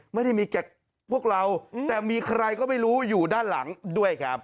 ไม่ได้มีแก่พวกเราแต่มีใครก็ไม่รู้อยู่ด้านหลังด้วยครับ